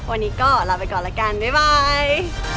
วันนี้ก็ลาไปก่อนละกันบ๊าย